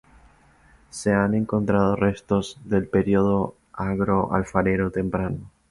Se han encontrado restos del periodo agroalfarero temprano.